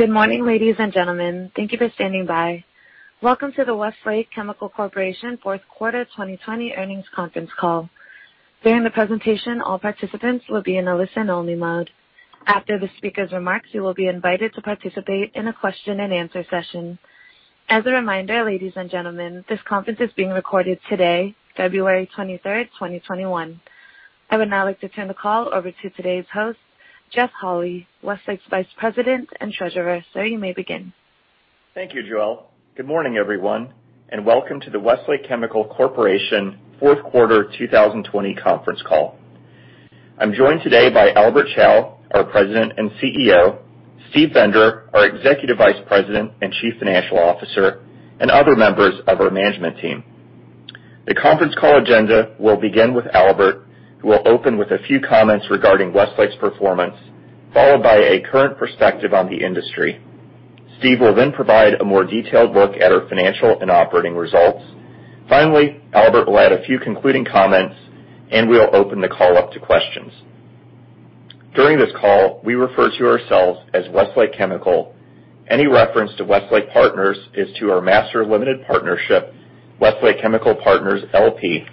Good morning, ladies and gentlemen. Thank you for standing by. Welcome to the Westlake Chemical Corporation 4th quarter 2020 earnings conference call. During the presentation, all participants will be in a listen-only mode. After the speaker's remarks, you will be invited to participate in a question and answer session. As a reminder, ladies and gentlemen, this conference is being recorded today, February 23rd, 2021. I would now like to turn the call over to today's host, Jeff Holy, Westlake's Vice President and Treasurer. Sir, you may begin. Thank you, Joel. Good morning, everyone, and welcome to the Westlake Chemical Corporation fourth quarter 2020 conference call. I'm joined today by Albert Chao, our President and CEO, Steve Bender, our Executive Vice President and Chief Financial Officer, and other members of our management team. The conference call agenda will begin with Albert, who will open with a few comments regarding Westlake's performance, followed by a current perspective on the industry. Steve will provide a more detailed look at our financial and operating results. Finally, Albert will add a few concluding comments, and we'll open the call up to questions. During this call, we refer to ourselves as Westlake Chemical. Any reference to Westlake Partners is to our master limited partnership, Westlake Chemical Partners, LP.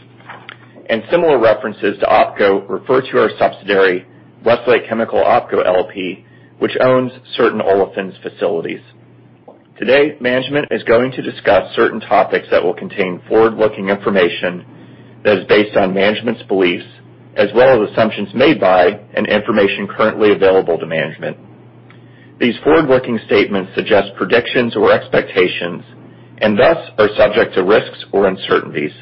Similar references to OpCo refer to our subsidiary, Westlake Chemical OpCo LP, which owns certain olefins facilities. Today, management is going to discuss certain topics that will contain forward-looking information that is based on management's beliefs, as well as assumptions made by, and information currently available to management. These forward-looking statements suggest predictions or expectations. Thus are subject to risks or uncertainties.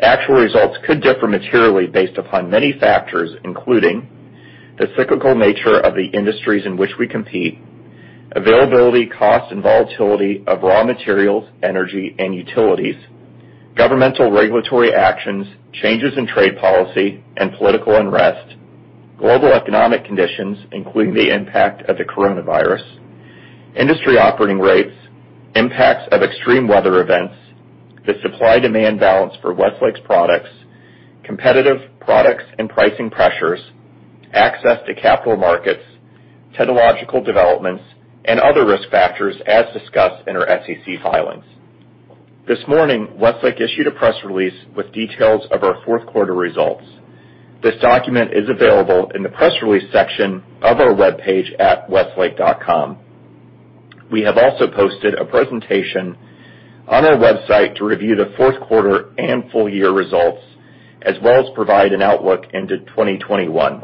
Actual results could differ materially based upon many factors, including the cyclical nature of the industries in which we compete, availability, cost, and volatility of raw materials, energy and utilities, governmental regulatory actions, changes in trade policy and political unrest, global economic conditions, including the impact of the COVID-19, industry operating rates, impacts of extreme weather events, the supply-demand balance for Westlake's products, competitive products and pricing pressures, access to capital markets, technological developments, and other risk factors as discussed in our SEC filings. This morning, Westlake issued a press release with details of our fourth quarter results. This document is available in the press release section of our webpage at westlake.com. We have also posted a presentation on our website to review the fourth quarter and full year results, as well as provide an outlook into 2021.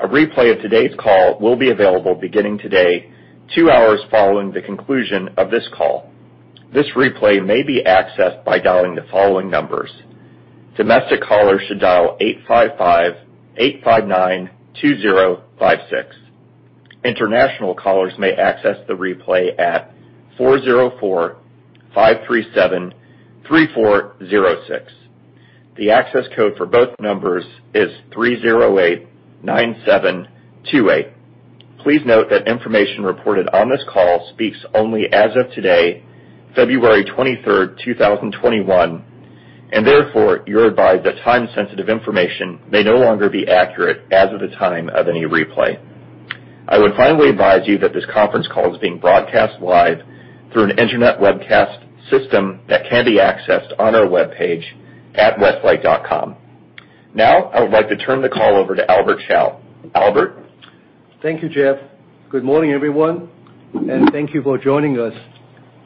A replay of today's call will be available beginning today, two hours following the conclusion of this call. This replay may be accessed by dialing the following numbers. Domestic callers should dial 855-859-2056. International callers may access the replay at 404-537-3406. The access code for both numbers is 308-9728. Please note that information reported on this call speaks only as of today, February 23rd, 2021, and therefore you're advised that time-sensitive information may no longer be accurate as of the time of any replay. I would finally advise you that this conference call is being broadcast live through an internet webcast system that can be accessed on our webpage at westlake.com. Now, I would like to turn the call over to Albert Chao. Albert. Thank you, Jeff. Good morning, everyone, and thank you for joining us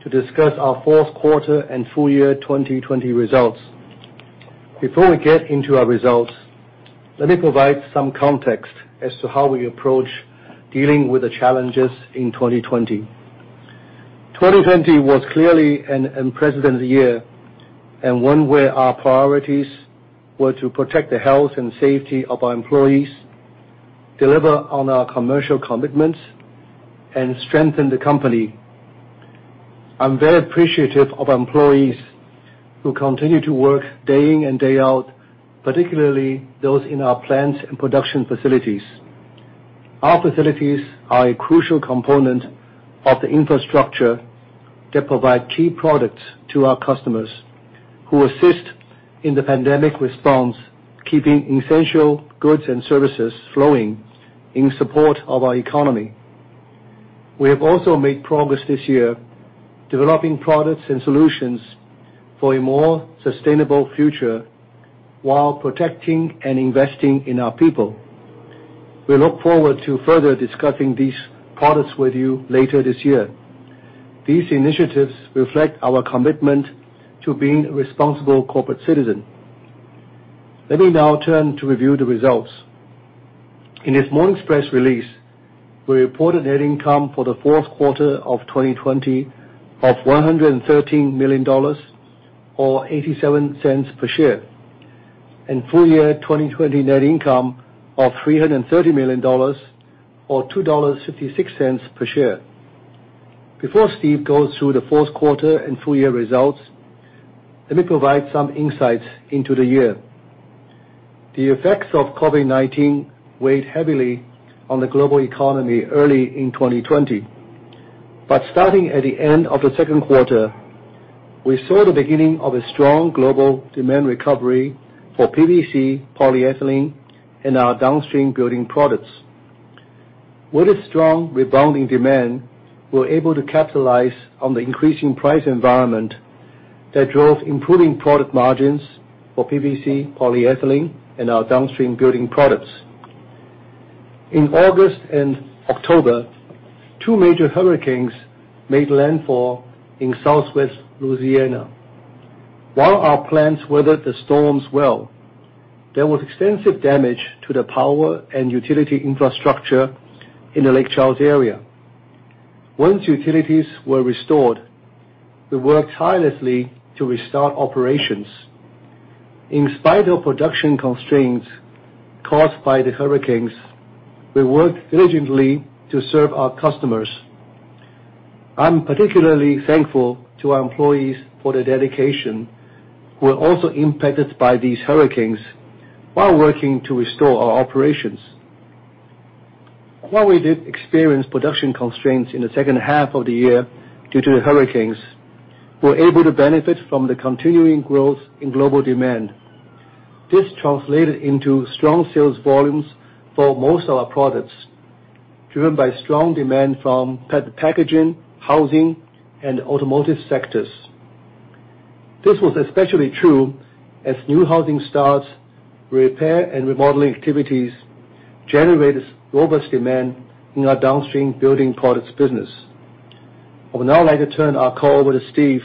to discuss our fourth quarter and full year 2020 results. Before we get into our results, let me provide some context as to how we approach dealing with the challenges in 2020. 2020 was clearly an unprecedented year, and one where our priorities were to protect the health and safety of our employees, deliver on our commercial commitments, and strengthen the company. I'm very appreciative of our employees who continue to work day in and day out, particularly those in our plants and production facilities. Our facilities are a crucial component of the infrastructure that provide key products to our customers, who assist in the pandemic response, keeping essential goods and services flowing in support of our economy. We have also made progress this year developing products and solutions for a more sustainable future while protecting and investing in our people. We look forward to further discussing these products with you later this year. These initiatives reflect our commitment to being a responsible corporate citizen. Let me now turn to review the results. In this morning's press release, we reported net income for the fourth quarter of 2020 of $113 million, or $0.87 per share, and full year 2020 net income of $330 million or $2.56 per share. Before Steve goes through the fourth quarter and full year results, let me provide some insights into the year. The effects of COVID-19 weighed heavily on the global economy early in 2020. Starting at the end of the second quarter, we saw the beginning of a strong global demand recovery for PVC, polyethylene, and our downstream building products. With a strong rebounding demand, we're able to capitalize on the increasing price environment that drove improving product margins for PVC, polyethylene, and our downstream building products. In August and October, two major hurricanes made landfall in Southwest Louisiana. While our plants weathered the storms well, there was extensive damage to the power and utility infrastructure in the Lake Charles area. Once utilities were restored, we worked tirelessly to restart operations. In spite of production constraints caused by the hurricanes, we worked diligently to serve our customers. I'm particularly thankful to our employees for their dedication, who were also impacted by these hurricanes while working to restore our operations. While we did experience production constraints in the second half of the year due to the hurricanes, we're able to benefit from the continuing growth in global demand. This translated into strong sales volumes for most of our products, driven by strong demand from packaging, housing, and automotive sectors. This was especially true as new housing starts, repair, and remodeling activities generated robust demand in our downstream building products business. I would now like to turn our call over to Steve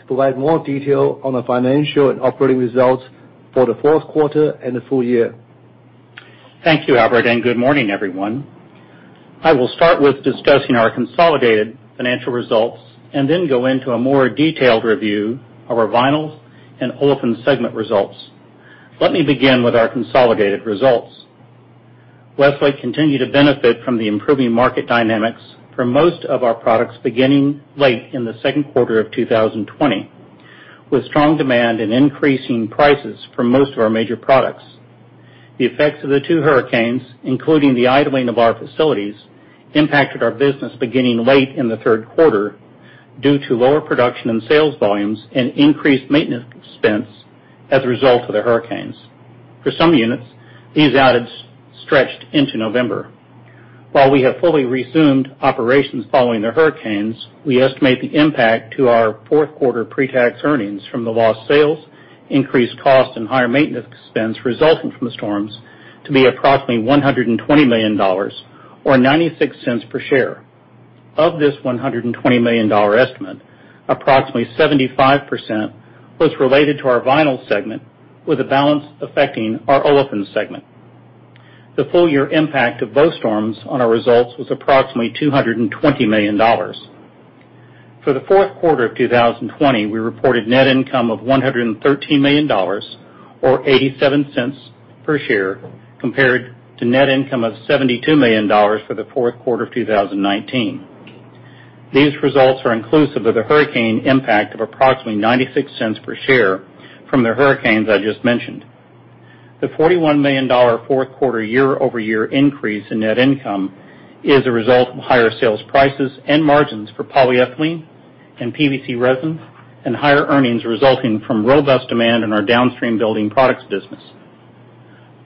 to provide more detail on the financial and operating results for the fourth quarter and the full year. Thank you, Albert. Good morning, everyone. I will start with discussing our consolidated financial results and then go into a more detailed review of our Vinyls and Olefins segment results. Let me begin with our consolidated results. Westlake continued to benefit from the improving market dynamics for most of our products beginning late in the second quarter of 2020, with strong demand and increasing prices for most of our major products. The effects of the two hurricanes, including the idling of our facilities, impacted our business beginning late in the third quarter due to lower production and sales volumes and increased maintenance expense as a result of the hurricanes. For some units, these outages stretched into November. While we have fully resumed operations following the hurricanes, we estimate the impact to our fourth quarter pre-tax earnings from the lost sales, increased costs, and higher maintenance expense resulting from the storms to be approximately $120 million or $0.96 per share. Of this $120 million estimate, approximately 75% was related to our Vinyls segment, with the balance affecting our Olefins segment. The full year impact of both storms on our results was approximately $220 million. For the fourth quarter of 2020, we reported net income of $113 million, or $0.87 per share, compared to net income of $72 million for the fourth quarter of 2019. These results are inclusive of the hurricane impact of approximately $0.96 per share from the hurricanes I just mentioned. The $41 million fourth quarter year-over-year increase in net income is a result of higher sales prices and margins for polyethylene and PVC resin, and higher earnings resulting from robust demand in our downstream building products business.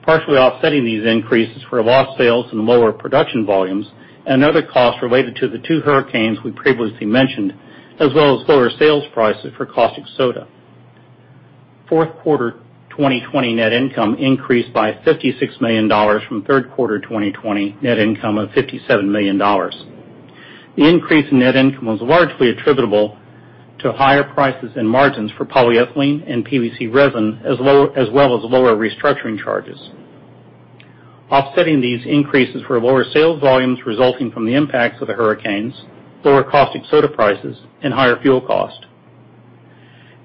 Partially offsetting these increases were lost sales and lower production volumes and other costs related to the two hurricanes we previously mentioned, as well as lower sales prices for caustic soda. Fourth quarter 2020 net income increased by $56 million from third quarter 2020 net income of $57 million. The increase in net income was largely attributable to higher prices and margins for polyethylene and PVC resin, as well as lower restructuring charges. Offsetting these increases were lower sales volumes resulting from the impacts of the hurricanes, lower caustic soda prices, and higher fuel cost.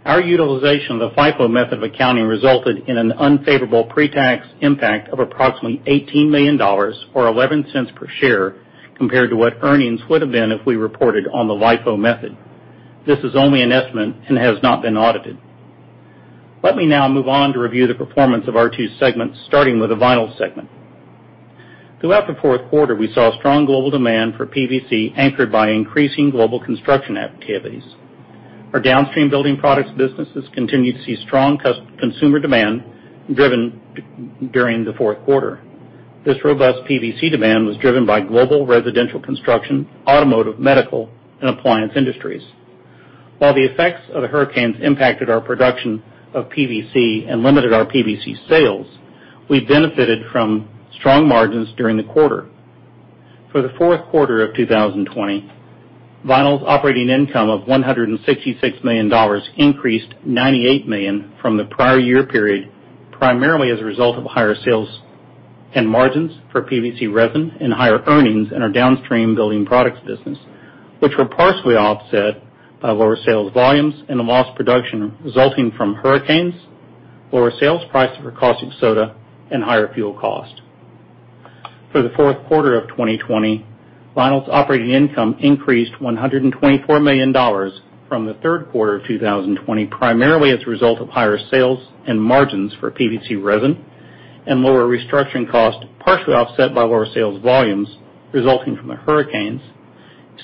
Our utilization of the FIFO method of accounting resulted in an unfavorable pre-tax impact of approximately $18 million, or $0.11 per share, compared to what earnings would've been if we reported on the LIFO method. This is only an estimate and has not been audited. Let me now move on to review the performance of our two segments, starting with the Vinyls segment. Throughout the fourth quarter, we saw strong global demand for PVC anchored by increasing global construction activities. Our downstream building products businesses continued to see strong consumer demand during the fourth quarter. This robust PVC demand was driven by global residential construction, automotive, medical, and appliance industries. While the effects of the hurricanes impacted our production of PVC and limited our PVC sales, we benefited from strong margins during the quarter. For the fourth quarter of 2020, Vinyls operating income of $166 million increased $98 million from the prior year period, primarily as a result of higher sales and margins for PVC resin and higher earnings in our downstream building products business, which were partially offset by lower sales volumes and the lost production resulting from hurricanes, lower sales price for caustic soda, and higher fuel cost. For the fourth quarter of 2020, Vinyls operating income increased $124 million from the third quarter of 2020, primarily as a result of higher sales and margins for PVC resin and lower restructuring cost, partially offset by lower sales volumes resulting from the hurricanes,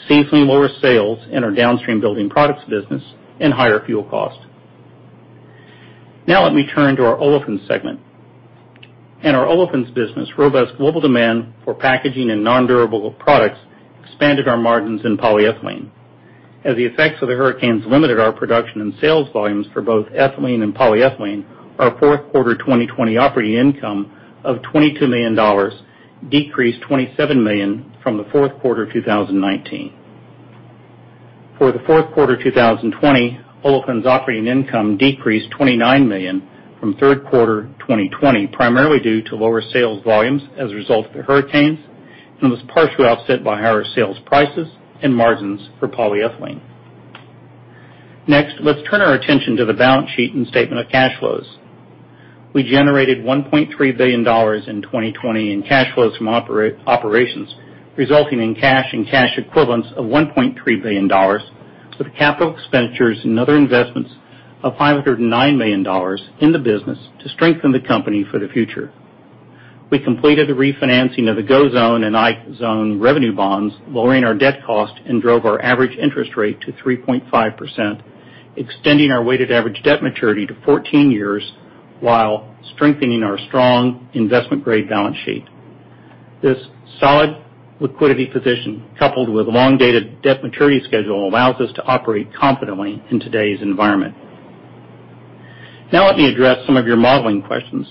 seasonally lower sales in our downstream building products business, and higher fuel cost. Let me turn to our Olefins segment. In our Olefins business, robust global demand for packaging and nondurable products expanded our margins in polyethylene. As the effects of the hurricanes limited our production and sales volumes for both ethylene and polyethylene, our fourth quarter 2020 operating income of $22 million decreased $27 million from the fourth quarter 2019. For the fourth quarter 2020, Olefins operating income decreased $29 million from third quarter 2020, primarily due to lower sales volumes as a result of the hurricanes, and was partially offset by higher sales prices and margins for polyethylene. Next, let's turn our attention to the balance sheet and statement of cash flows. We generated $1.3 billion in 2020 in cash flows from operations, resulting in cash and cash equivalents of $1.3 billion, with capital expenditures and other investments of $509 million in the business to strengthen the company for the future. We completed the refinancing of the GO Zone and Ike Zone revenue bonds, lowering our debt cost, and drove our average interest rate to 3.5%, extending our weighted average debt maturity to 14 years, while strengthening our strong investment-grade balance sheet. This solid liquidity position, coupled with a long-dated debt maturity schedule, allows us to operate confidently in today's environment. Now let me address some of your modeling questions.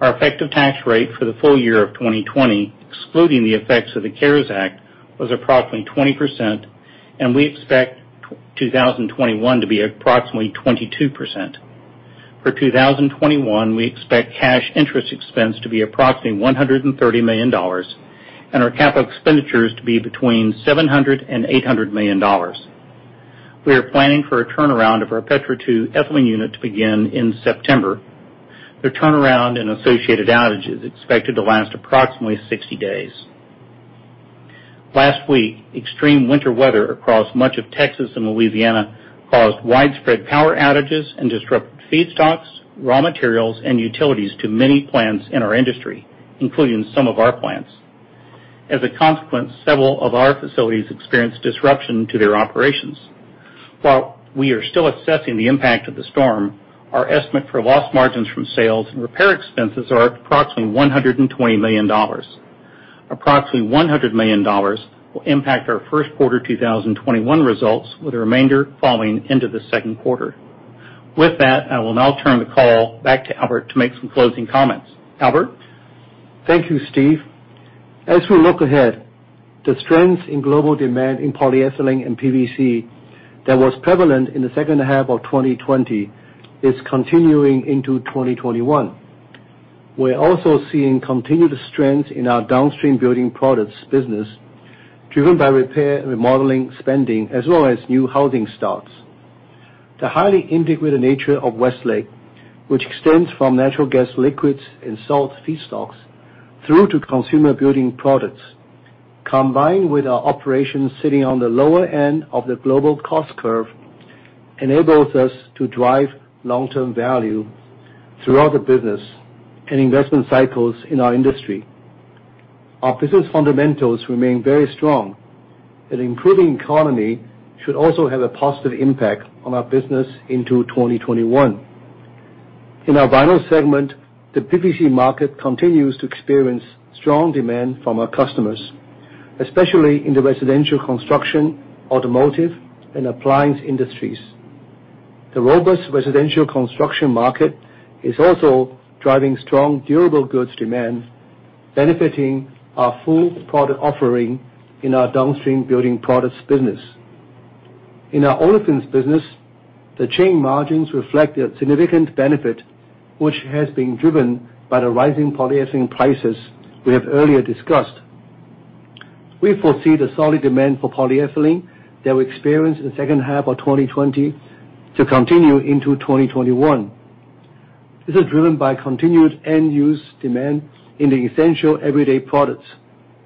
Our effective tax rate for the full year of 2020, excluding the effects of the CARES Act, was approximately 20%, and we expect 2021 to be approximately 22%. For 2021, we expect cash interest expense to be approximately $130 million, and our capital expenditures to be between $700 million and $800 million. We are planning for a turnaround of our Petro 2 ethylene unit to begin in September. The turnaround and associated outage is expected to last approximately 60 days. Last week, extreme winter weather across much of Texas and Louisiana caused widespread power outages and disrupted feedstocks, raw materials, and utilities to many plants in our industry, including some of our plants. As a consequence, several of our facilities experienced disruption to their operations. While we are still assessing the impact of the storm, our estimate for lost margins from sales and repair expenses are approximately $120 million. Approximately $100 million will impact our first quarter 2021 results, with the remainder falling into the second quarter. With that, I will now turn the call back to Albert to make some closing comments. Albert? Thank you, Steve. As we look ahead, the strength in global demand in polyethylene and PVC that was prevalent in the second half of 2020 is continuing into 2021. We're also seeing continued strength in our downstream building products business, driven by repair and remodeling spending, as well as new housing starts. The highly integrated nature of Westlake, which extends from natural gas liquids and salt feedstocks through to consumer building products, combined with our operations sitting on the lower end of the global cost curve, enables us to drive long-term value throughout the business and investment cycles in our industry. Our business fundamentals remain very strong. An improving economy should also have a positive impact on our business into 2021. In our Vinyls segment, the PVC market continues to experience strong demand from our customers, especially in the residential construction, automotive, and appliance industries. The robust residential construction market is also driving strong durable goods demand, benefiting our full product offering in our downstream building products business. In our Olefins business, the chain margins reflect a significant benefit, which has been driven by the rising polyethylene prices we have earlier discussed. We foresee the solid demand for polyethylene that we experienced in the second half of 2020 to continue into 2021. This is driven by continued end-use demand in the essential everyday products,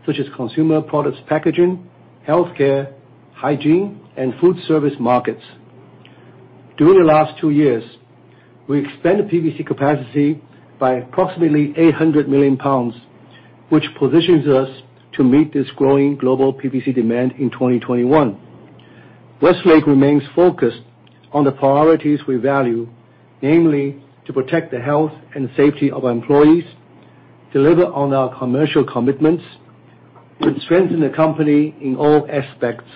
such as consumer products packaging, healthcare, hygiene, and food service markets. During the last two years, we expanded PVC capacity by approximately 800 million pounds, which positions us to meet this growing global PVC demand in 2021. Westlake remains focused on the priorities we value, namely, to protect the health and safety of our employees, deliver on our commercial commitments, and strengthen the company in all aspects.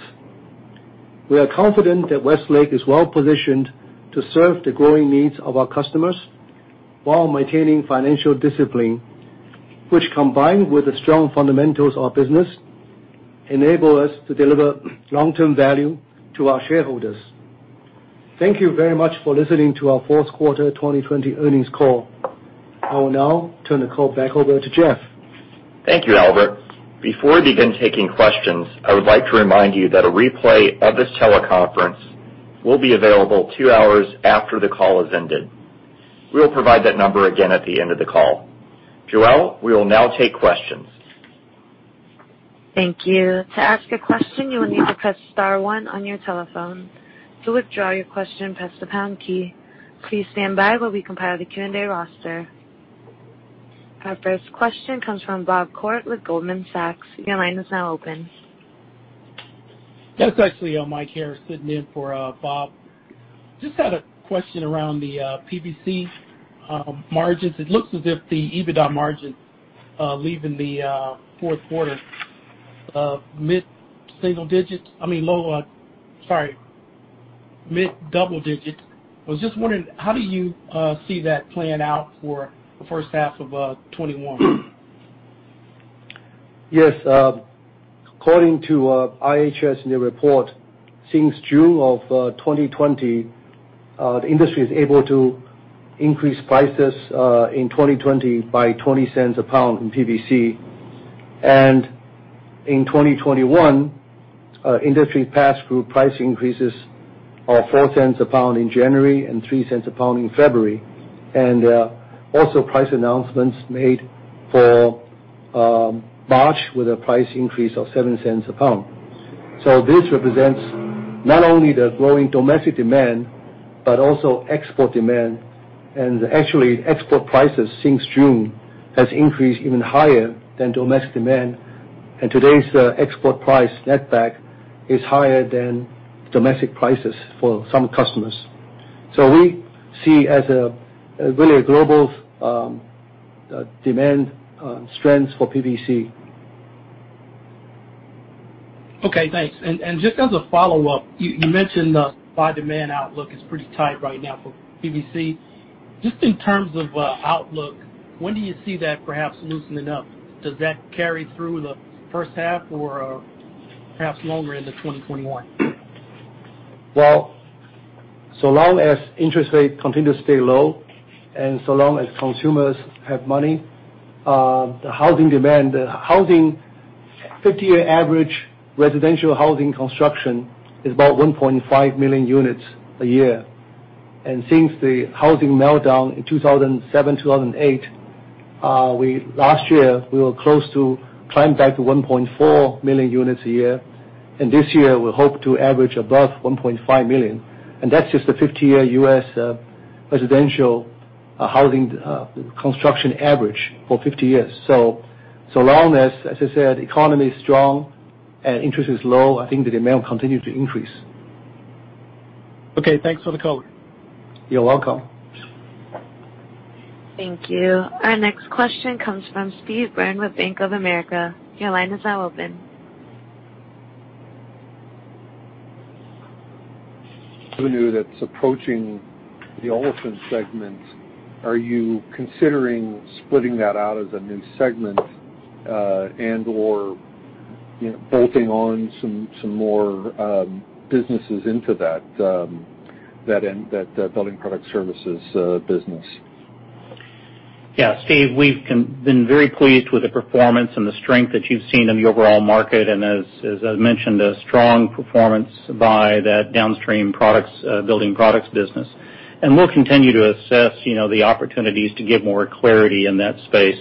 We are confident that Westlake is well-positioned to serve the growing needs of our customers while maintaining financial discipline, which, combined with the strong fundamentals of our business, enable us to deliver long-term value to our shareholders. Thank you very much for listening to our fourth-quarter 2020 earnings call. I will now turn the call back over to Jeff. Thank you, Albert. Before we begin taking questions, I would like to remind you that a replay of this teleconference will be available two hours after the call has ended. We will provide that number again at the end of the call. Joel, we will now take questions. Thank you. To ask a question, you will need to press star one on your telephone. To withdraw your question, press the pound key. Please stand by while we compile the Q&A roster. Our first question comes from Bob Koort with Goldman Sachs. Your line is now open. That's actually Mike here sitting in for Bob. Just had a question around the PVC margins. It looks as if the EBITDA margin leaving the fourth quarter of mid-single digits. I mean, mid-double digits. I was just wondering, how do you see that playing out for the first half of 2021? Yes. According to IHS, in their report, since June of 2020, the industry is able to increase prices in 2020 by $0.20 a pound in PVC. In 2021, industry passed through price increases are $0.04 a pound in January and $0.03 a pound in February. Price announcements made for March with a price increase of $0.07 a pound. This represents not only the growing domestic demand, but also export demand. Export prices since June has increased even higher than domestic demand. Today's export price netback is higher than domestic prices for some customers. We see as a really global demand strength for PVC. Okay, thanks. Just as a follow-up, you mentioned the supply/demand outlook is pretty tight right now for PVC. Just in terms of outlook, when do you see that perhaps loosening up? Does that carry through the first half or perhaps longer into 2021? So long as interest rates continue to stay low and so long as consumers have money, the housing demand, 50-year average residential housing construction is about 1.5 million units a year. Since the housing meltdown in 2007, 2008, last year, we were close to climb back to 1.4 million units a year. This year, we hope to average above 1.5 million. That's just the 50-year U.S. residential housing construction average for 50 years. So long as I said, the economy is strong and interest is low, I think the demand will continue to increase. Okay, thanks for the color. You're welcome. Thank you. Our next question comes from Steve Byrne with Bank of America. Your line is now open. Revenue that's approaching the olefin segment, are you considering splitting that out as a new segment, and/or bolting on some more businesses into that Building Product Services business? Yeah, Steve, we've been very pleased with the performance and the strength that you've seen in the overall market. As I mentioned, a strong performance by that downstream building products business. We'll continue to assess the opportunities to give more clarity in that space.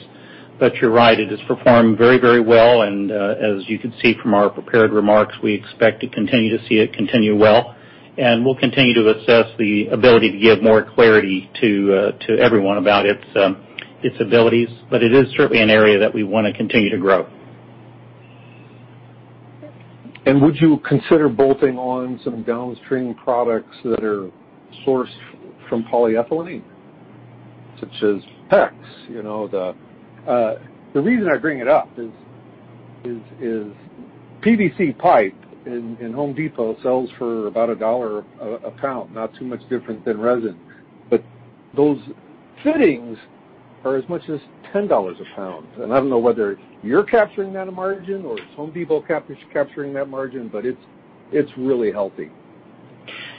You're right, it has performed very well. As you can see from our prepared remarks, we expect to continue to see it continue well. We'll continue to assess the ability to give more clarity to everyone about its abilities. It is certainly an area that we want to continue to grow. Would you consider bolting on some downstream products that are sourced from polyethylene, such as PEX? The reason I bring it up is PVC pipe in Home Depot sells for about $1 a pound, not too much different than resin. Those fittings are as much as $10 a pound. I don't know whether you're capturing that margin or it's Home Depot capturing that margin, but it's really helping.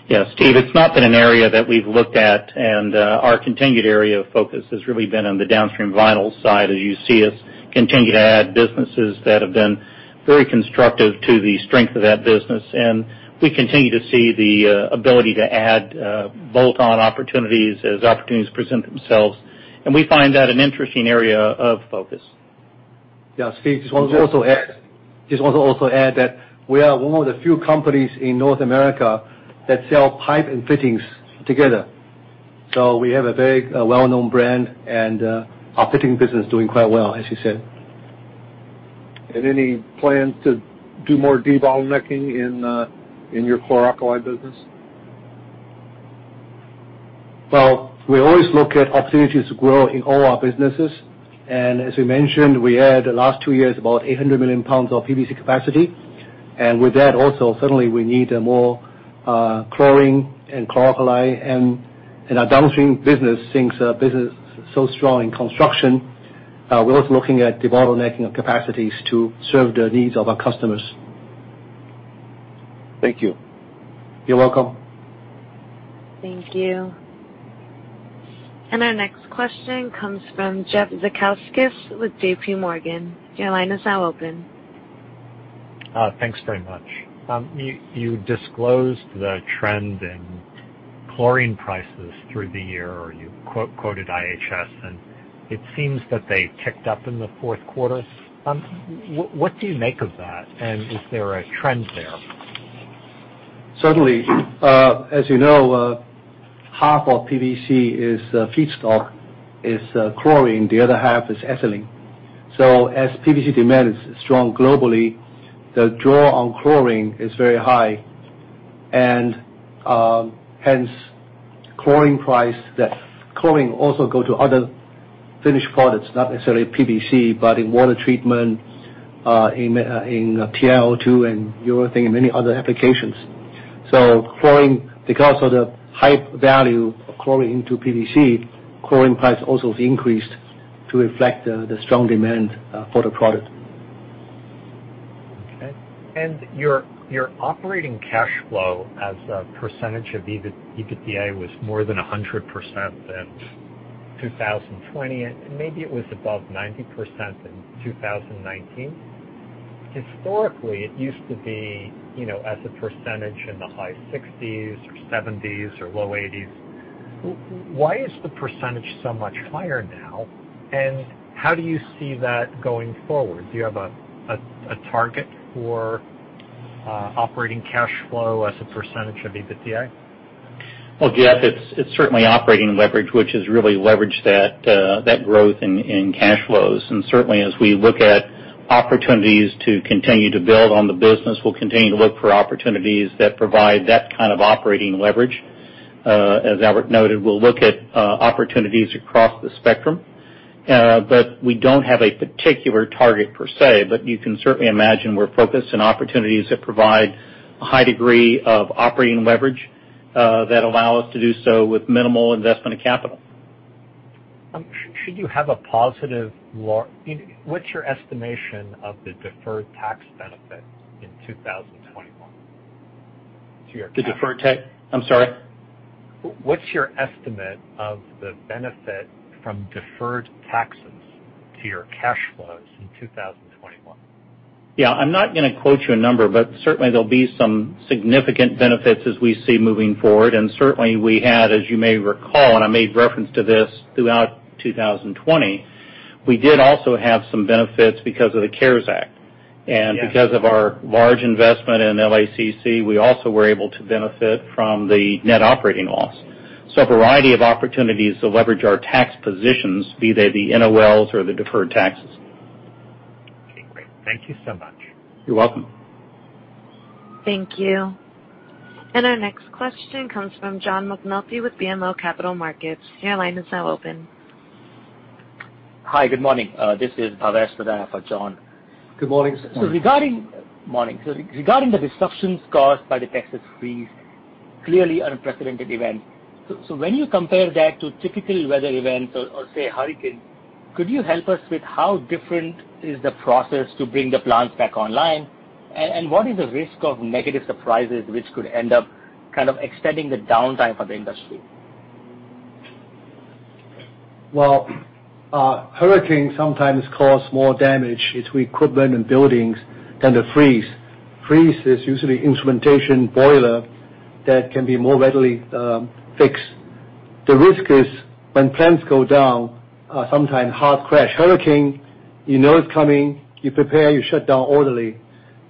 Yeah, Steve, it's not been an area that we've looked at, and our continued area of focus has really been on the downstream vinyl side, as you see us continue to add businesses that have been very constructive to the strength of that business. We continue to see the ability to add bolt-on opportunities as opportunities present themselves. We find that an interesting area of focus. Yeah, Steve, just want to also add that we are one of the few companies in North America that sell pipe and fittings together. We have a very well-known brand, and our fitting business is doing quite well, as you said. Any plans to do more debottlenecking in your chlor-alkali business? Well, we always look at opportunities to grow in all our businesses. As we mentioned, we had, the last two years, about 800 million pounds of PVC capacity. With that also, suddenly we need more chlorine and chlor-alkali, and our downstream business, since business is so strong in construction, we're also looking at debottlenecking capacities to serve the needs of our customers. Thank you. You're welcome. Thank you. Our next question comes from Jeffrey Zekauskas with JPMorgan. Your line is now open. Thanks very much. You disclosed the trend in Chlorine prices through the year, or you quoted IHS, and it seems that they've ticked up in the fourth quarter. What do you make of that? Is there a trend there? Certainly. As you know, half of PVC is feedstock, is chlorine, the other half is ethylene. As PVC demand is strong globally, the draw on chlorine is very high, and hence chlorine price. That chlorine also go to other finished products, not necessarily PVC, but in water treatment, in TiO2 and urethane, and many other applications. Chlorine, because of the high value of chlorine to PVC, chlorine price also increased to reflect the strong demand for the product. Okay. Your operating cash flow as a percentage of EBITDA was more than 100% in 2020. Maybe it was above 90% in 2019. Historically, it used to be, as a percentage in the high 60s or 70s or low 80s. Why is the percentage so much higher now? How do you see that going forward? Do you have a target for operating cash flow as a percentage of EBITDA? Well, Jeff, it's certainly operating leverage, which has really leveraged that growth in cash flows. Certainly, as we look at opportunities to continue to build on the business, we'll continue to look for opportunities that provide that kind of operating leverage. As Albert noted, we'll look at opportunities across the spectrum. We don't have a particular target per se, but you can certainly imagine we're focused on opportunities that provide a high degree of operating leverage, that allow us to do so with minimal investment of capital. What's your estimation of the deferred tax benefit in 2021 to your cash? The deferred tax? I'm sorry. What's your estimate of the benefit from deferred taxes to your cash flows in 2021? Yeah, I'm not going to quote you a number, but certainly there'll be some significant benefits as we see moving forward. Certainly we had, as you may recall, and I made reference to this throughout 2020, we did also have some benefits because of the CARES Act. Yeah. Because of our large investment in LACC, we also were able to benefit from the net operating loss. A variety of opportunities to leverage our tax positions, be they the NOLs or the deferred taxes. Okay, great. Thank you so much. You're welcome. Thank you. Our next question comes from John McNulty with BMO Capital Markets. Hi, good morning. This is Bhavesh Madana for John. Good morning. Morning. Regarding the disruptions caused by the Winter Storm Uri, clearly unprecedented event. When you compare that to typical weather events or say, hurricanes, could you help us with how different is the process to bring the plants back online? What is the risk of negative surprises, which could end up kind of extending the downtime for the industry? Well, hurricanes sometimes cause more damage to equipment and buildings than the freeze. Freeze is usually instrumentation boiler that can be more readily fixed. The risk is when plants go down, sometimes hard crash. Hurricane, you know it's coming, you prepare, you shut down orderly.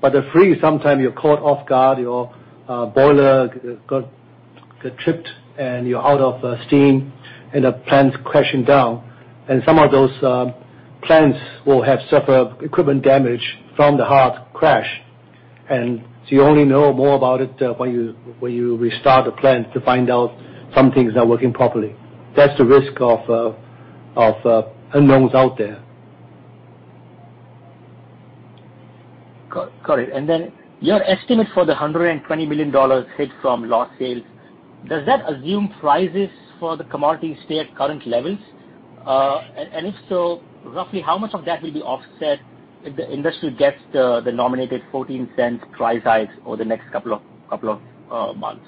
The freeze, sometimes you're caught off guard, your boiler got tripped, and you're out of steam, and the plant's crashing down. Some of those plants will have suffered equipment damage from the hard crash. You only know more about it when you restart the plant to find out some things are not working properly. That's the risk of unknowns out there. Got it. Your estimate for the $120 million hit from lost sales, does that assume prices for the commodity stay at current levels? If so, roughly how much of that will be offset if the industry gets the nominated $0.14 price hike over the next couple of months?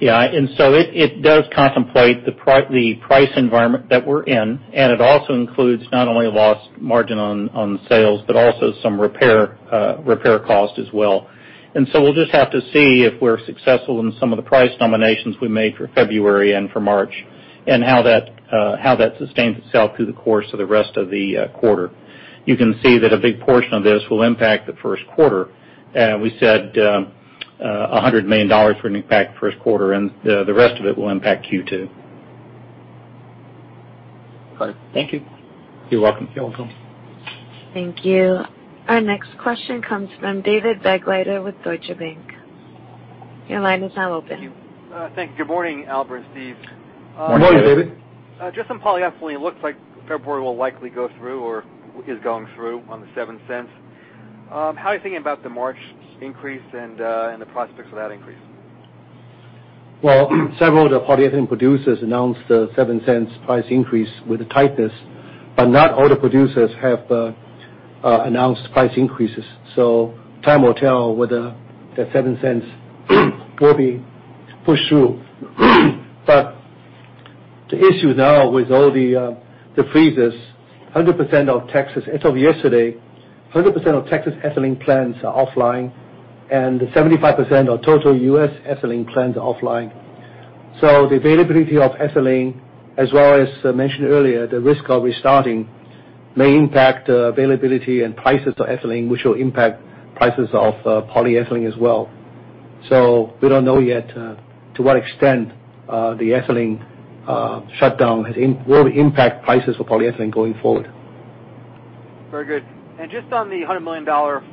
Yeah. It does contemplate the price environment that we're in, and it also includes not only lost margin on sales, but also some repair cost as well. We'll just have to see if we're successful in some of the price nominations we made for February and for March, and how that sustains itself through the course of the rest of the quarter. You can see that a big portion of this will impact the first quarter. We said $100 million would impact first quarter, and the rest of it will impact Q2. Got it. Thank you. You're welcome. You're welcome. Thank you. Our next question comes from David Begleiter with Deutsche Bank. Your line is now open. Thank you. Good morning, Albert and Steve. Morning, David. Just on polyethylene, it looks like February will likely go through or is going through on the $0.07. How are you thinking about the March increase and the prospects for that increase? Well, several of the polyethylene producers announced the $0.07 price increase with the tightness, but not all the producers have announced price increases. The issue now with all the freezers, as of yesterday, 100% of Texas ethylene plants are offline, and 75% of total U.S. ethylene plants are offline. The availability of ethylene, as well as I mentioned earlier, the risk of restarting may impact availability and prices of ethylene, which will impact prices of polyethylene as well. We don't know yet to what extent the ethylene shutdown will impact prices for polyethylene going forward. Very good. Just on the $100 million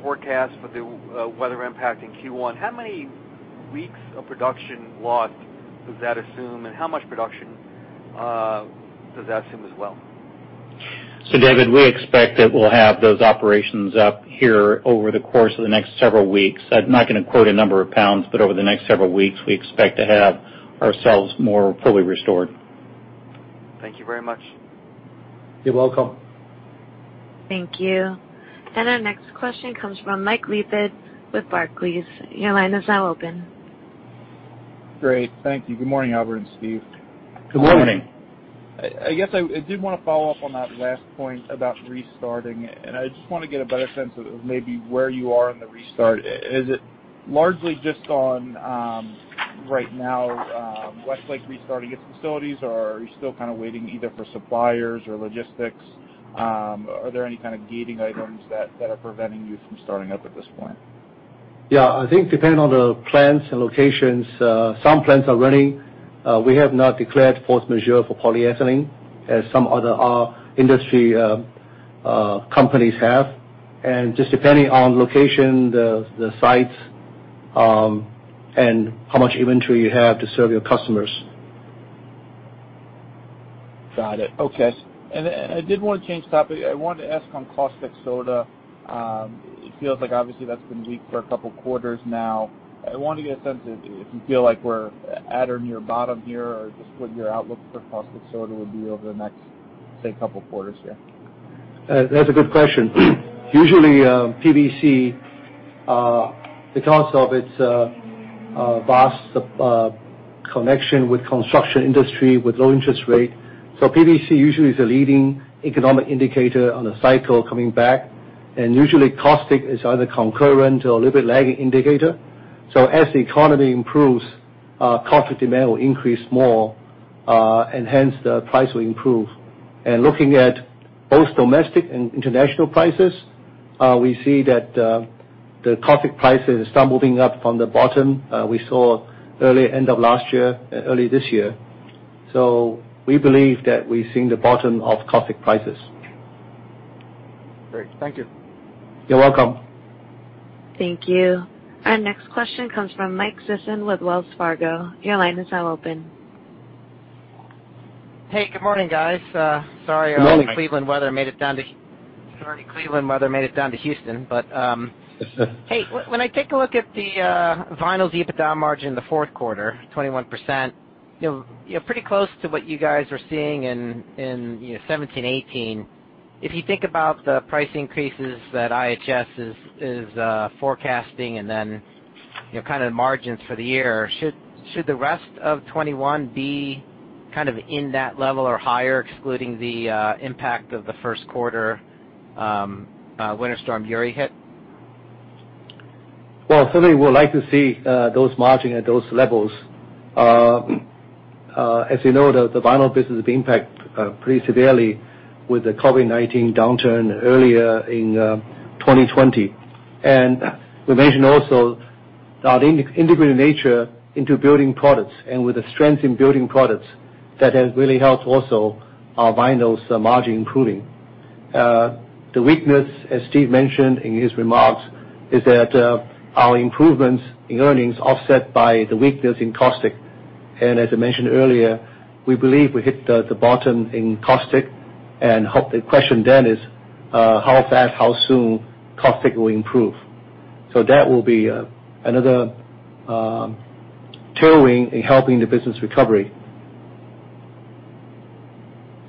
forecast for the weather impact in Q1, how many weeks of production lost does that assume, and how much production does that assume as well? David, we expect that we'll have those operations up here over the course of the next several weeks. I'm not going to quote a number of pounds, but over the next several weeks, we expect to have ourselves more fully restored. Thank you very much. You're welcome. Thank you. Our next question comes from Michael Leithead with Barclays. Great, thank you. Good morning, Albert and Steve. Good morning. Good morning. I guess I did want to follow up on that last point about restarting, and I just want to get a better sense of maybe where you are in the restart. Is it largely just on, right now, Westlake restarting its facilities, or are you still waiting either for suppliers or logistics? Are there any kind of gating items that are preventing you from starting up at this point? Yeah, I think depending on the plants and locations, some plants are running. We have not declared force majeure for polyethylene, as some other industry companies have. Just depending on location, the sites, and how much inventory you have to serve your customers. Got it. Okay. I did want to change the topic. I wanted to ask on caustic soda. It feels like obviously that's been weak for a couple of quarters now. I want to get a sense if you feel like we're at or near bottom here, or just what your outlook for caustic soda would be over the next, say, couple quarters here. That's a good question. Usually, PVC because of its vast connection with construction industry, with low interest rate. PVC usually is a leading economic indicator on a cycle coming back, and usually caustic is either concurrent or a little bit lagging indicator. As the economy improves, caustic demand will increase more, and hence the price will improve. Looking at both domestic and international prices, we see that the caustic prices are moving up from the bottom we saw early end of last year, early this year. We believe that we've seen the bottom of caustic prices. Great. Thank you. You're welcome. Thank you. Our next question comes from Michael Sison with Wells Fargo. Your line is now open. Hey, good morning, guys. Good morning. Sorry, Cleveland weather made it down to Houston. When I take a look at the vinyls EBITDA margin in the fourth quarter, 21%, pretty close to what you guys were seeing in 2017, 2018. If you think about the price increases that IHS is forecasting and then, kind of margins for the year, should the rest of 2021 be in that level or higher, excluding the impact of the first quarter Winter Storm Uri hit? Well, certainly we would like to see those margin at those levels. As you know, the vinyl business impact pretty severely with the COVID-19 downturn earlier in 2020. We mentioned also our integrated nature into building products and with the strength in building products, that has really helped also our vinyls margin improving. The weakness, as Steve mentioned in his remarks, is that our improvements in earnings offset by the weakness in caustic. As I mentioned earlier, we believe we hit the bottom in caustic and hope the question then is, how fast, how soon caustic will improve? That will be another tailwind in helping the business recovery.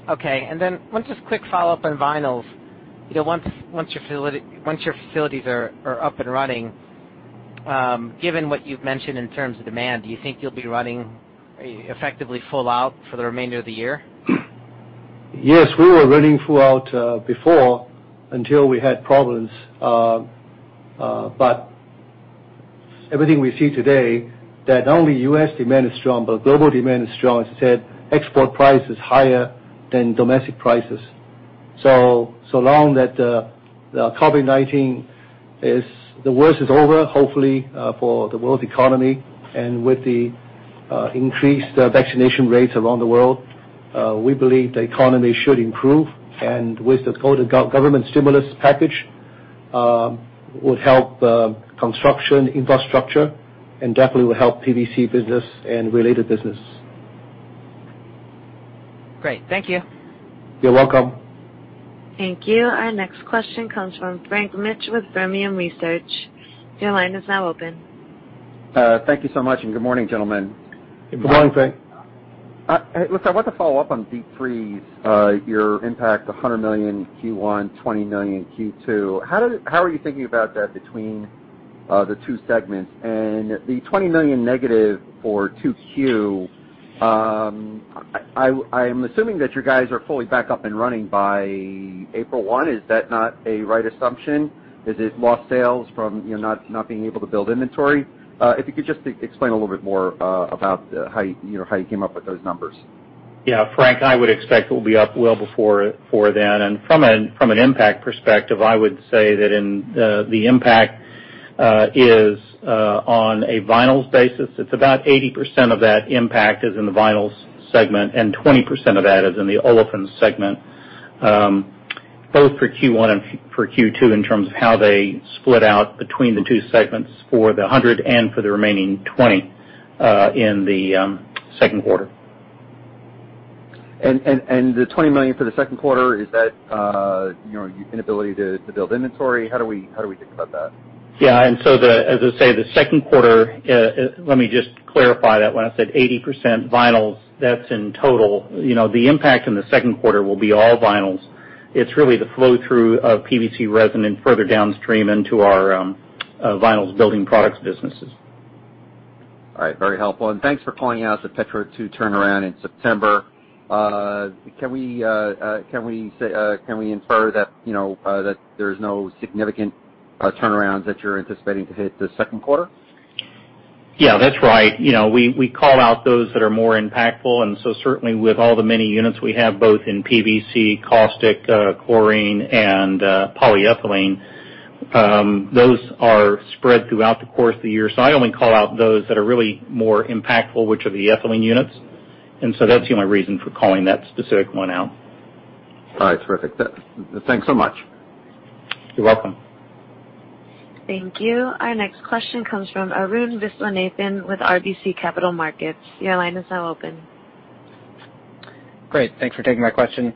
Okay. One just quick follow-up on vinyls. Once your facilities are up and running, given what you've mentioned in terms of demand, do you think you'll be running effectively full out for the remainder of the year? Yes, we were running full out before until we had problems. Everything we see today that not only U.S. demand is strong, but global demand is strong. As I said, export price is higher than domestic prices. Long that the COVID-19, the worst is over, hopefully, for the world economy and with the increased vaccination rates around the world, we believe the economy should improve and with the government stimulus package, will help construction, infrastructure, and definitely will help PVC business and related business. Great. Thank you. You're welcome. Thank you. Our next question comes from Frank Mitsch with Fermium Research. Your line is now open. Thank you so much, and good morning, gentlemen. Good morning, Frank. Good morning. Listen, I want to follow up on Winter Storm Uri, your impact $100 million Q1, $20 million Q2. How are you thinking about that between the two segments. The $20 million negative for 2Q, I am assuming that you guys are fully back up and running by April 1. Is that not a right assumption? Is it lost sales from not being able to build inventory? If you could just explain a little bit more about how you came up with those numbers. Yeah, Frank, I would expect we'll be up well before then. From an impact perspective, I would say that the impact is on a vinyls basis. It's about 80% of that impact is in the vinyls segment, and 20% of that is in the olefins segment, both for Q1 and for Q2, in terms of how they split out between the two segments for the $100 and for the remaining $20 in the second quarter. The $20 million for the second quarter, is that inability to build inventory? How do we think about that? Yeah. As I say, the second quarter, let me just clarify that when I said 80% vinyls, that's in total. The impact in the second quarter will be all vinyls. It's really the flow-through of PVC resin and further downstream into our vinyls building products businesses. All right. Very helpful. Thanks for calling out the Petro 2 turnaround in September. Can we infer that there's no significant turnarounds that you're anticipating to hit the second quarter? Yeah, that's right. We call out those that are more impactful. Certainly with all the many units we have, both in PVC, caustic, chlorine, and polyethylene, those are spread throughout the course of the year. I only call out those that are really more impactful, which are the ethylene units. That's the only reason for calling that specific one out. All right. Terrific. Thanks so much. You're welcome. Thank you. Our next question comes from Arun Viswanathan with RBC Capital Markets. Your line is now open. Great. Thanks for taking my question.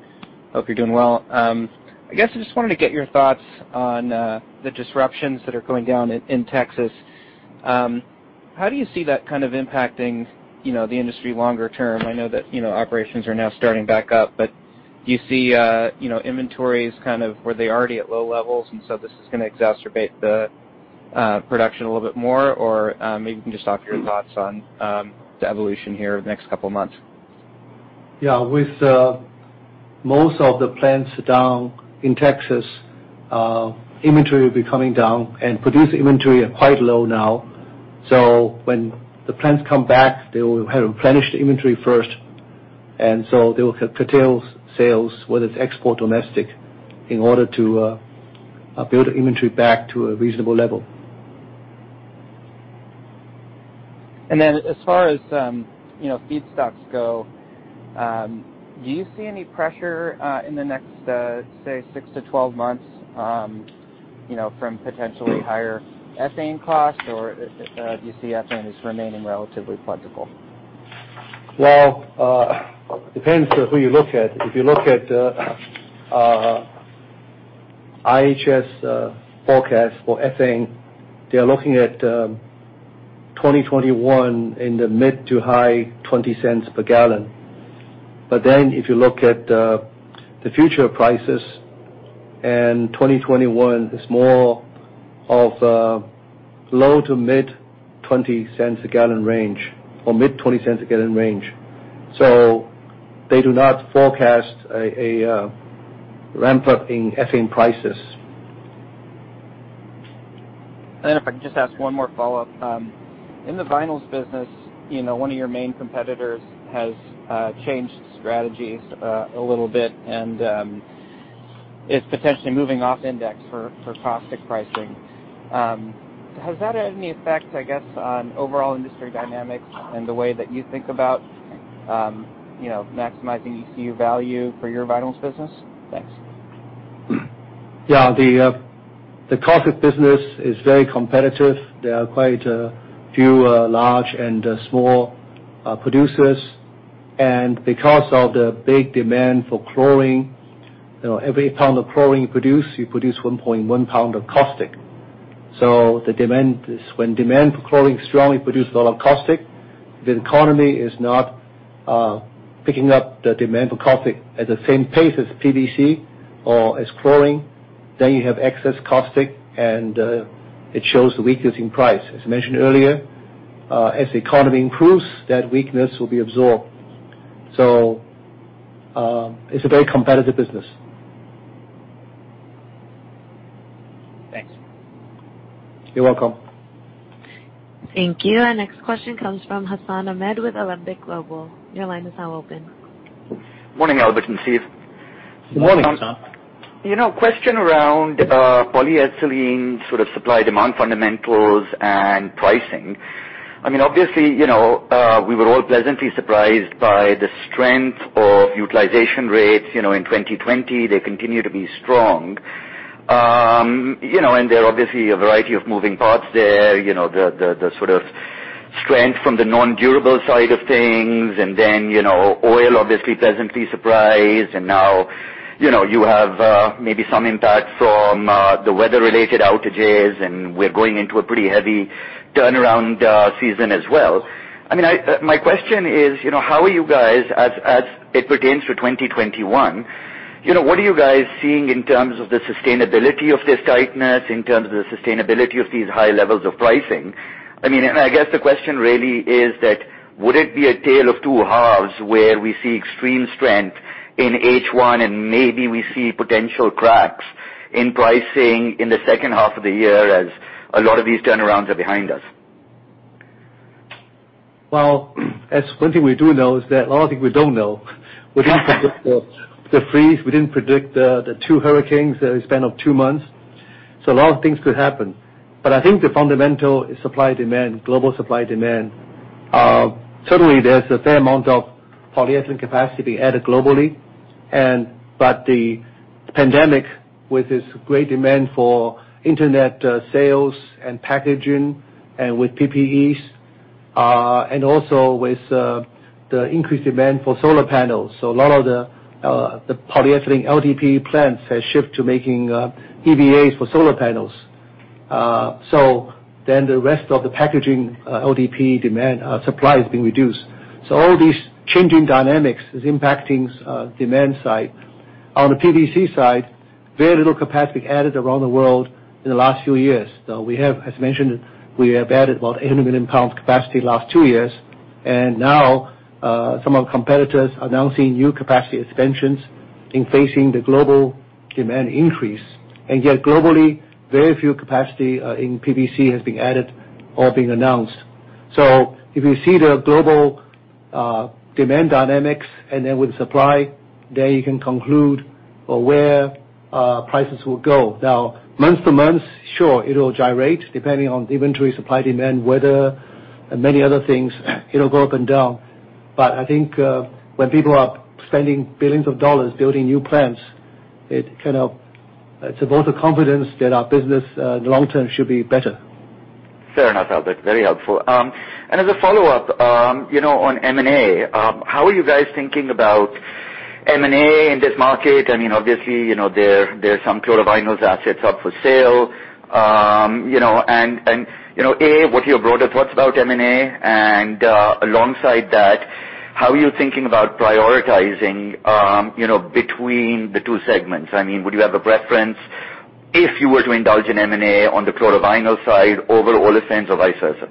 Hope you're doing well. I guess I just wanted to get your thoughts on the disruptions that are going down in Texas. How do you see that kind of impacting the industry longer term? I know that operations are now starting back up, but do you see inventories kind of where they already at low levels, and so this is going to exacerbate the production a little bit more? Maybe you can just talk your thoughts on the evolution here over the next couple of months. With most of the plants down in Texas, inventory will be coming down, and produced inventory are quite low now. When the plants come back, they will have to replenish the inventory first, they will curtail sales, whether it's export or domestic, in order to build the inventory back to a reasonable level. As far as feedstocks go, do you see any pressure in the next, say, six-12 months from potentially higher ethane costs, or do you see ethane as remaining relatively flexible? Well, depends on who you look at. If you look at IHS forecast for ethane, they're looking at 2021 in the mid to high $0.20 per gallon. If you look at the future prices, 2021 is more of low to mid $0.20 a gallon range, or mid $0.20 a gallon range. They do not forecast a ramp-up in ethane prices. If I could just ask one more follow-up. In the vinyls business, one of your main competitors has changed strategies a little bit and is potentially moving off index for caustic pricing. Has that had any effect, I guess, on overall industry dynamics and the way that you think about maximizing ECU value for your vinyls business? Thanks. Yeah. The caustic business is very competitive. There are quite a few large and small producers, and because of the big demand for chlorine, every pound of chlorine you produce, you produce 1.1 pound of caustic. When demand for chlorine is strong, we produce a lot of caustic. The economy is not picking up the demand for caustic at the same pace as PVC or as chlorine. You have excess caustic, and it shows the weakness in price. As mentioned earlier, as the economy improves, that weakness will be absorbed. It's a very competitive business. Thanks. You're welcome. Thank you. Our next question comes from Hassan Ahmed with Alembic Global Advisors. Your line is now open. Morning, Albert and Steve. Morning, Hassan. Question around polyethylene sort of supply, demand fundamentals, and pricing. Obviously, we were all pleasantly surprised by the strength of utilization rates in 2020. They continue to be strong. There are obviously a variety of moving parts there, the sort of strength from the non-durable side of things, and then oil obviously pleasantly surprised. Now you have maybe some impact from the weather-related outages, and we're going into a pretty heavy turnaround season as well. My question is how are you guys, as it pertains to 2021, what are you guys seeing in terms of the sustainability of this tightness, in terms of the sustainability of these high levels of pricing? I guess the question really is that would it be a tale of two halves where we see extreme strength in H1 and maybe we see potential cracks in pricing in the second half of the year as a lot of these turnarounds are behind us? Well, one thing we do know is that a lot of things we don't know. We didn't predict the freeze, we didn't predict the two hurricanes that were span of two months. A lot of things could happen. I think the fundamental is supply, demand, global supply, demand. Certainly, there's a fair amount of polyethylene capacity added globally. The pandemic, with its great demand for internet sales and packaging, and with PPE, and also with the increased demand for solar panels. A lot of the polyethylene LDPE plants has shift to making EVA for solar panels. The rest of the packaging LDPE supply is being reduced. All these changing dynamics is impacting demand side. On the PVC side, very little capacity added around the world in the last two years, though we have, as mentioned, we have added about 800 million pounds capacity last two years. Now, some of competitors announcing new capacity expansions in facing the global demand increase. Yet globally, very few capacity in PVC has been added or been announced. If you see the global demand dynamics and then with supply, then you can conclude where prices will go. Now, month to month, sure, it'll gyrate depending on the inventory, supply, demand, weather, and many other things. It'll go up and down. I think when people are spending billions of dollars building new plants, it's a vote of confidence that our business, long-term, should be better. Fair enough, Albert. Very helpful. As a follow-up, on M&A, how are you guys thinking about M&A in this market? Obviously, there's some chlorovinyls assets up for sale. A, what are your broader thoughts about M&A, and alongside that, how are you thinking about prioritizing between the two segments? Would you have a preference if you were to indulge in M&A on the chlorovinyl side over olefins or vice versa?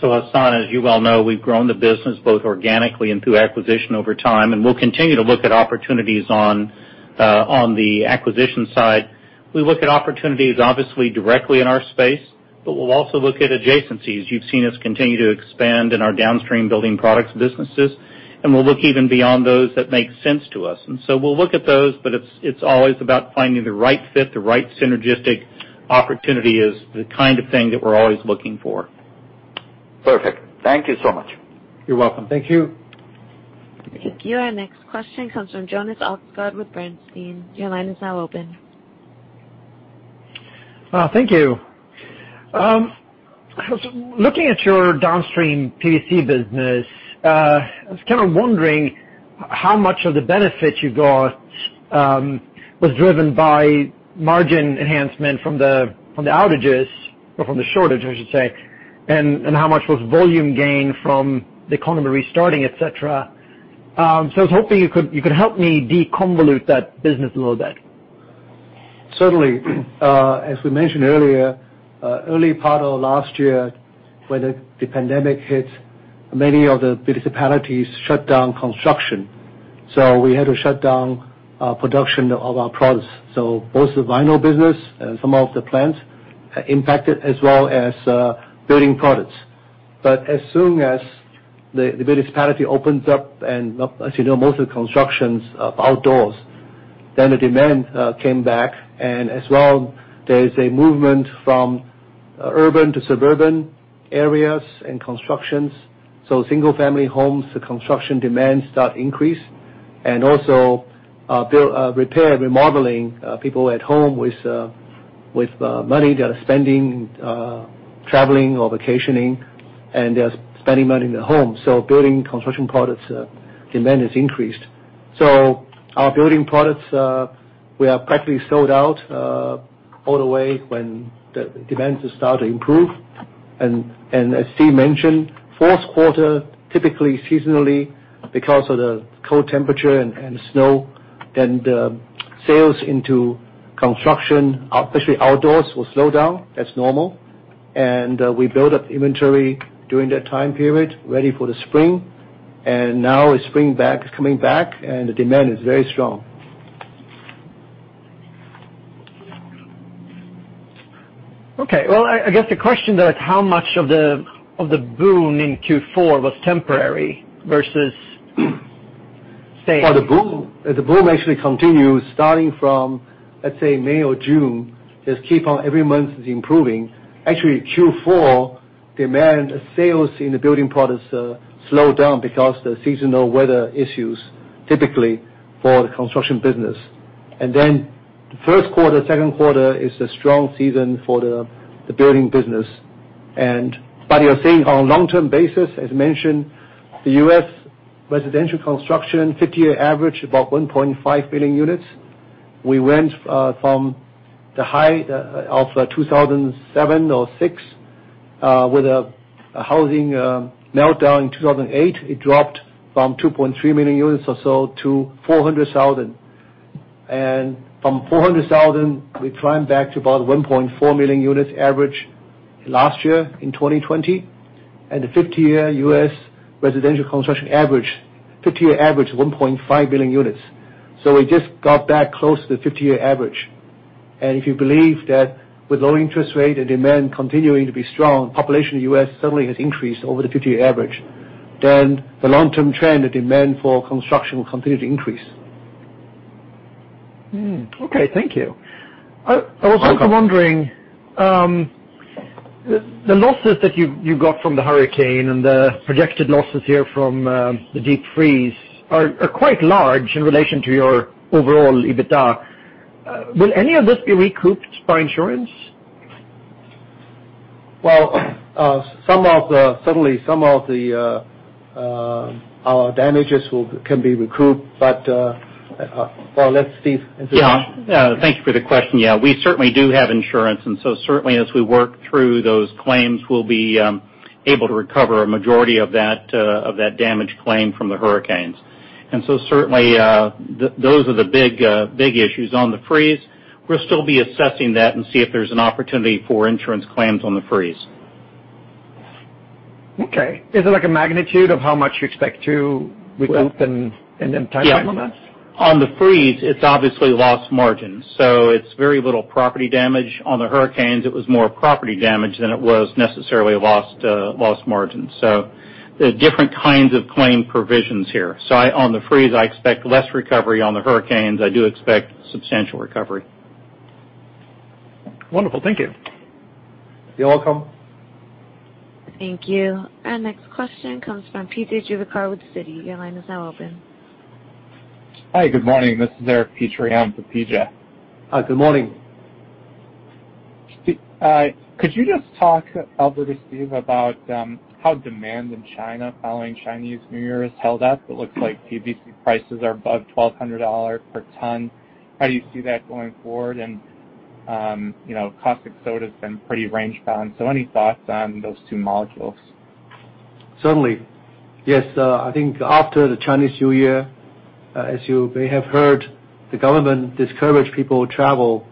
Hassan, as you well know, we've grown the business both organically and through acquisition over time, and we'll continue to look at opportunities on the acquisition side. We look at opportunities, obviously, directly in our space, but we'll also look at adjacencies. You've seen us continue to expand in our downstream building products businesses, and we'll look even beyond those that make sense to us. We'll look at those, but it's always about finding the right fit, the right synergistic opportunity is the kind of thing that we're always looking for. Perfect. Thank you so much. You're welcome. Thank you. Thank you. Our next question comes from Jonas Oxgaard with Bernstein. Your line is now open. Thank you. Looking at your downstream PVC business, I was kind of wondering how much of the benefit you got was driven by margin enhancement from the outages, or from the shortage I should say, and how much was volume gained from the economy restarting, et cetera. I was hoping you could help me deconvolute that business a little bit. Certainly. As we mentioned earlier, early part of last year when the pandemic hit, many of the municipalities shut down construction. We had to shut down production of our products. Both the vinyl business and some of the plants impacted, as well as building products. As soon as the municipality opens up, and as you know, most of the construction's outdoors, then the demand came back and as well, there is a movement from urban to suburban areas and constructions. Single family homes, the construction demand start increase. Also repair, remodeling, people were at home with money they are spending traveling or vacationing, and they are spending money in their home. Building construction products demand has increased. Our building products, we are practically sold out all the way when the demands start to improve. As Steve mentioned, fourth quarter, typically seasonally, because of the cold temperature and snow, then the sales into construction, especially outdoors, will slow down. That's normal. We build up inventory during that time period, ready for the spring. Now it's spring coming back, and the demand is very strong. Okay. Well, I guess the question that how much of the boom in Q4 was temporary. Well, the boom actually continued starting from, let's say, May or June, just keep on every month it's improving. Actually, Q4 demand sales in the building products slowed down because the seasonal weather issues, typically, for the construction business. First quarter, second quarter is the strong season for the building business. You're saying on a long-term basis, as mentioned, the U.S. residential construction, 50-year average, about 1.5 million units. We went from the high of 2007 or 2006, with a housing meltdown in 2008. It dropped from 2.3 million units or so to 400,000. From 400,000, we climbed back to about 1.4 million units average last year in 2020. The 50-year U.S. residential construction average, 50-year average, 1.5 million units. We just got back close to the 50-year average. If you believe that with low interest rate and demand continuing to be strong, population in U.S. suddenly has increased over the 50-year average, then the long-term trend of demand for construction will continue to increase. Okay. Thank you. Welcome. I was also wondering, the losses that you got from the hurricane and the projected losses here from the deep freeze are quite large in relation to your overall EBITDA. Will any of this be recouped by insurance? Well, certainly some of our damages can be recouped, but well, let Steve answer that. Thank you for the question. We certainly do have insurance, and so certainly as we work through those claims, we'll be able to recover a majority of that damage claim from the hurricanes. Certainly, those are the big issues. On the freeze, we'll still be assessing that and see if there's an opportunity for insurance claims on the freeze. Okay. Is there like a magnitude of how much you expect to recoup in time frame limits? On the freeze, it's obviously lost margin, so it's very little property damage. On the hurricanes, it was more property damage than it was necessarily lost margin. There are different kinds of claim provisions here. On the freeze, I expect less recovery. On the hurricanes, I do expect substantial recovery. Wonderful. Thank you. You're welcome. Thank you. Our next question comes from PJ Juvekar with Citi. Your line is now open. Hi, good morning. This is Eric Petrie for PJ. Hi, good morning. Could you just talk, Albert or Steve, about how demand in China following Chinese New Year has held up? It looks like PVC prices are above $1,200 per ton. How do you see that going forward? Caustic soda's been pretty range-bound, any thoughts on those two molecules? Certainly. Yes, I think after the Chinese New Year, as you may have heard, the government discouraged people travel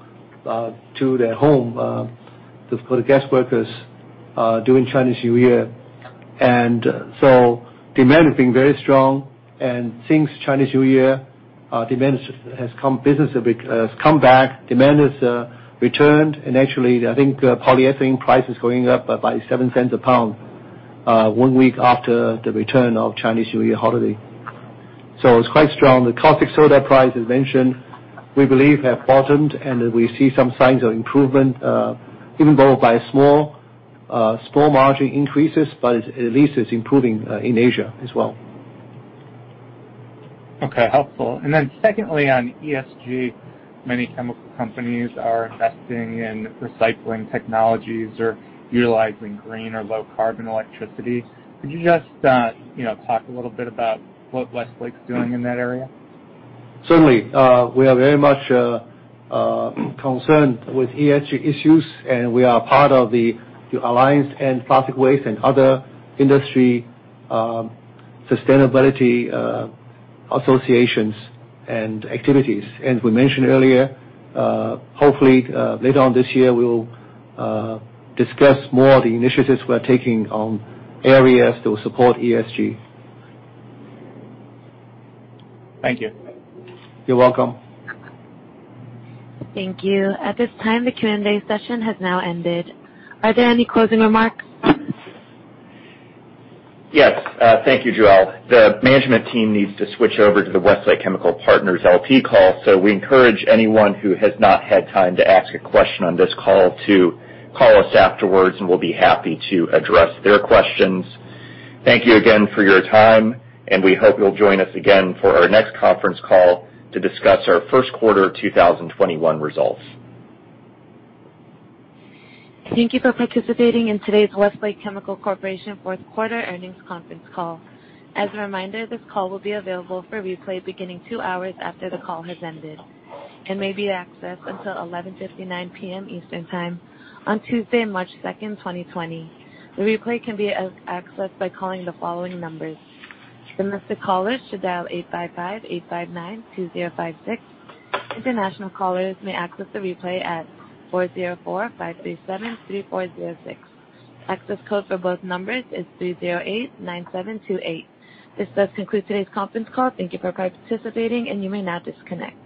to their home for the guest workers during Chinese New Year. Demand has been very strong. Since Chinese New Year, business has come back, demand has returned, and actually, I think polyethylene price is going up by $0.07 a pound one week after the return of Chinese New Year holiday. It's quite strong. The caustic soda price, as mentioned, we believe have bottomed, we see some signs of improvement, even though by small margin increases, at least it's improving in Asia as well. Okay. Helpful. Secondly, on ESG, many chemical companies are investing in recycling technologies or utilizing green or low-carbon electricity. Could you just talk a little bit about what Westlake's doing in that area? Certainly. We are very much concerned with ESG issues. We are part of the Alliance to End Plastic Waste and other industry sustainability associations and activities. As we mentioned earlier, hopefully later on this year, we will discuss more the initiatives we are taking on areas that will support ESG. Thank you. You're welcome. Thank you. At this time, the Q&A session has now ended. Are there any closing remarks? Yes. Thank you, Joel. The management team needs to switch over to the Westlake Chemical Partners LP call. We encourage anyone who has not had time to ask a question on this call to call us afterwards, and we'll be happy to address their questions. Thank you again for your time, and we hope you'll join us again for our next conference call to discuss our first quarter 2021 results. Thank you for participating in today's Westlake Chemical Corporation fourth quarter earnings conference call. As a reminder, this call will be available for replay beginning two hours after the call has ended and may be accessed until 11:59 PM Eastern Time on Tuesday, March 2nd, 2020. The replay can be accessed by calling the following numbers. Domestic callers should dial 855-859-2056. International callers may access the replay at 404-537-3406. Access code for both numbers is 3089728. This does conclude today's conference call. Thank you for participating, and you may now disconnect.